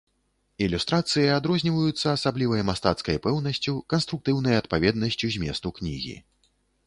Ілюстрацыі адрозніваюцца асаблівай мастацкай пэўнасцю, канструктыўнай адпаведнасцю зместу кнігі.